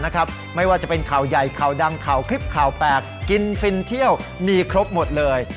ข่าวแปลกกินฟินเที่ยวมีครบหมดเลย